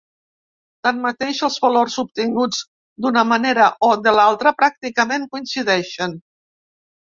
Tanmateix els valors obtinguts d'una manera o de l'altra pràcticament coincideixen.